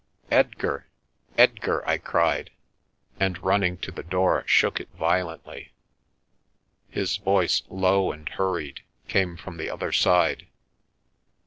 " Edgar ! Edgar !" I cried, and running to the door, shook it violently. His voice, low and hurried, came from the other side.